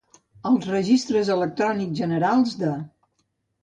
Als registres electrònics generals de:.